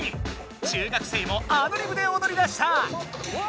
中学生もアドリブでおどりだした！